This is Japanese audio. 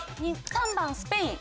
３番スペイン。